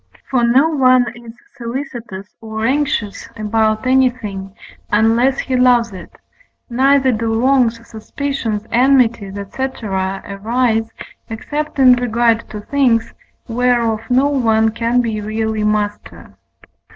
For no one is solicitous or anxious about anything, unless he loves it; neither do wrongs, suspicions, enmities, &c. arise, except in regard to things whereof no one can be really master.